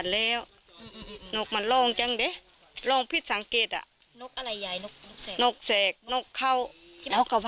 โลกพิธีสังเกตคน